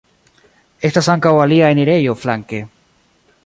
Estas ankaŭ alia enirejo flanke.